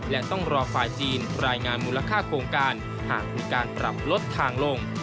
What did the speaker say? และต้องรอฝ่ายจีนรายงานมูลค่าโครงการหากมีการปรับลดทางลง